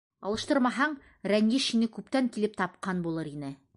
Алыштырмаһаң, рәнйеш һине күптән килеп тапҡан булыр ине!